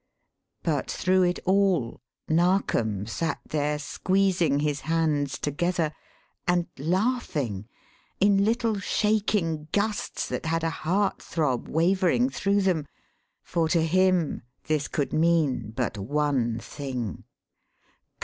But through it all Narkom sat there squeezing his hands together and laughing in little shaking gusts that had a heart throb wavering through them; for to him this could mean but one thing.